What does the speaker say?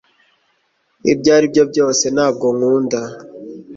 ibyo ari byo byose, ntabwo nkunda